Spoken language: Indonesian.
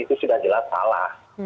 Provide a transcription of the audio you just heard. itu sudah jelas salah